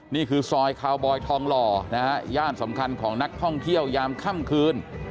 นี่คือซอยคาวบอยทองหล่อนะฮะย่านสำคัญของนักท่องเที่ยวยามค่ำคืน